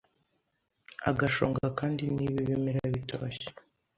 agashonga Kandi niba ibimera bitoshye